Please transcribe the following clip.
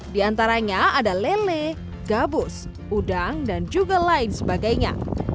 di antaranya ada lele gabus udang dan juga lain sebagainya